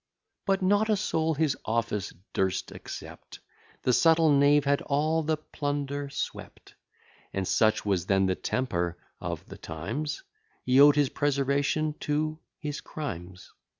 But not a soul his office durst accept; The subtle knave had all the plunder swept: And, such was then the temper of the times, He owed his preservation to his crimes.